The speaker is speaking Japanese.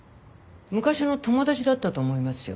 昔の友達だったと思いますよ。